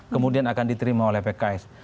kemudian akan diterima oleh pks